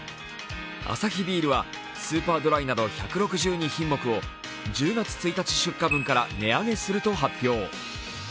アサヒビールはスーパードライなど１６２品目を１０月１日出荷分から値上げすると発表。